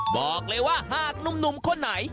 บอกเลยว่าหากหนุ่มคนไหน